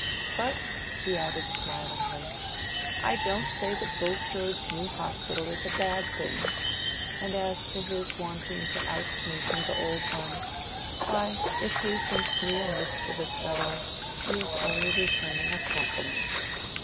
But," he added, smilingly, "I don't say that Bulstrode's new hospital is a bad thing; and as to his wanting to oust me from the old one—why, if he thinks me a mischievous fellow, he is only returning a compliment.